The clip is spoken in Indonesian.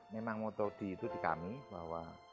memang motodi itu di kami bahwa